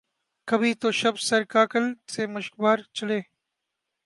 کبھی تو شب سر کاکل سے مشکبار چلے